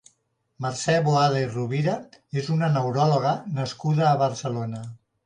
Mercè Boada i Rovira és una neuròloga nascuda a Barcelona.